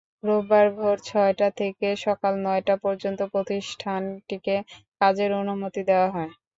রোববার ভোর ছয়টা থেকে সকাল নয়টা পর্যন্ত প্রতিষ্ঠানটিকে কাজের অনুমতি দেওয়া হয়।